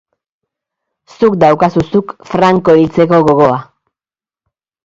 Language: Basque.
Zuk daukazu, zuk, Franco hiltzeko gogoa?